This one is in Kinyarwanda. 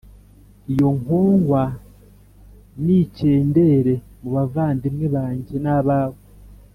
Iyo nkongwa nikendere mu bavandimwe banjye nabawe